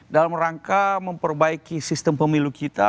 dalam rangka memperbaiki sistem pemilu kita